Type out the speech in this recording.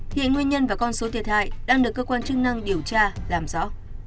hiện nguyên nhân và con số thiệt hại đang được cơ quan chức năng điều tra làm rõ